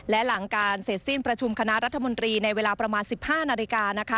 และหลังการเสร็จสิ้นประชุมคณะรัฐมนตรีในเวลาประมาณ๑๕นาฬิกานะคะ